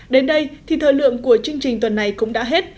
đến đây thì thời lượng của chương trình tuần này cũng đã hết